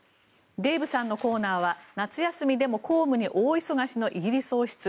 デーブさんのコーナーは夏休みでも公務に大忙しのイギリス王室。